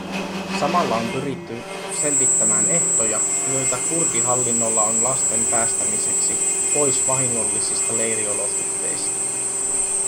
Samalla on pyritty selvittämään ehtoja, joita kurdihallinnolla on lasten päästämiseksi pois vahingollisista leiriolosuhteista.